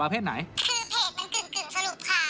แล้วก็อยากนั้นเดี๋ยวจัดให้